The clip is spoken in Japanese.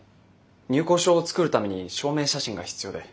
入構証を作るために証明写真が必要で。